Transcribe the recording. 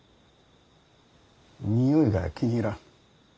においが気に入らん。